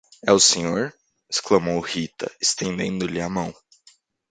É o senhor? exclamou Rita, estendendo-lhe a mão.